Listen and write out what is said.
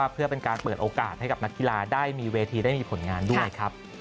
เพื่อเป็นการเปิดโอกาสให้กับนักกีฬาได้มีเวทีได้มีผลงานด้วยครับ